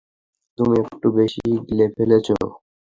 তুমি একটু বেশি গিলে ফেলেছ।